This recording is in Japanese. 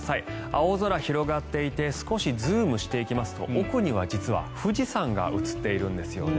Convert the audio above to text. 青空広がっていて少しズームしていきますと奥には実は富士山が映っているんですよね。